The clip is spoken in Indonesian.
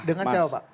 dengan siapa pak